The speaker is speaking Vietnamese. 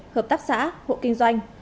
hợp tác xã hộ kinh doanh